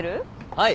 はい。